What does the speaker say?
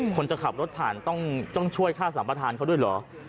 คนจะขับรถผ่านต้องช่วยค่าสัมประธานเขาด้วยเหรอ